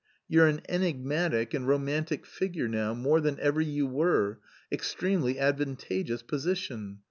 You're an enigmatic and romantic figure now, more than ever you were extremely advantageous position.